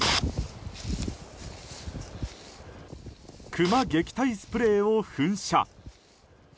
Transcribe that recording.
クマ撃退スプレーを噴射。